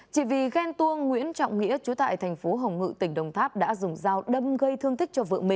chỉ vì ghen tuông nguyễn trọng nghĩa chú tại tp hcm tỉnh đồng tháp đã dùng dao đâm gây thương tích